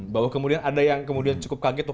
bahwa kemudian ada yang cukup kaget